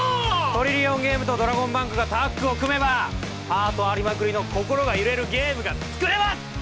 トリリオンゲームとドラゴンバンクがタッグを組めばハートありまくりの心が揺れるゲームが作れます！